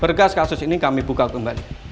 berkas kasus ini kami buka kembali